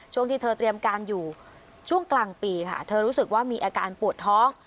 ที่เธอเตรียมการอยู่ช่วงกลางปีค่ะเธอรู้สึกว่ามีอาการปวดท้อง